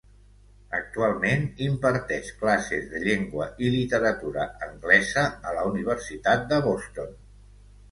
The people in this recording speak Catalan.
Actualment imparteix classes de llengua i literatura anglesa a la Universitat de Boston.